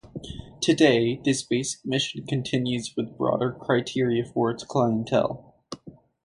Today, this basic mission continues with broader criteria for its clientele.